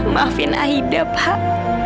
maafin aida pak